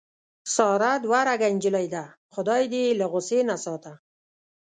ساره دوه رګه نجیلۍ ده. خدای یې دې له غوسې نه ساته.